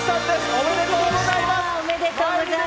おめでとうございます。